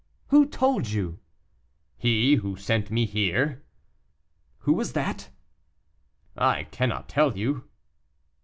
"Who told you?" "He who sent me here." "Who was that?" "I cannot tell you."